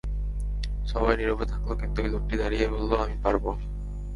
সবাই নিরব থাকল, কিন্তু ঐ লোকটি দাঁড়িয়ে বলল, আমি পারব।